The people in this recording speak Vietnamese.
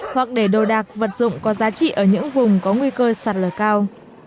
hoặc để đồ đạc vật dụng có giá trị ở những vùng có nguy cơ sạt lở cao